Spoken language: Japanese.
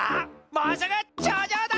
もうすぐちょうじょうだ！